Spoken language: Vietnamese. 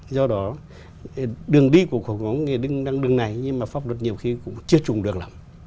do đó đường đi của cuộc sống đang đường này nhưng mà pháp luật nhiều khi cũng chưa trùng được lắm